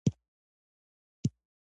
د ليکوال له يونليک څخه داسې برېښي